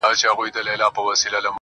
يو په ژړا سي چي يې بل ماسوم ارام سي ربه.